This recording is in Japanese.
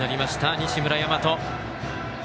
西村大和。